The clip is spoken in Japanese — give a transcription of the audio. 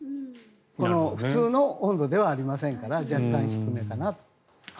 普通の温度ではありませんから若干低めかなと。